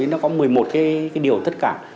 nó có một mươi một cái điều tất cả